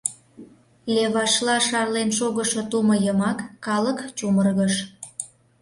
Левашла шарлен шогышо тумо йымак калык чумыргыш.